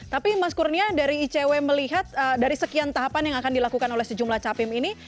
tapi mas kurnia dari icw melihat dari sekian tahapan yang akan dilakukan oleh sejumlah capim ini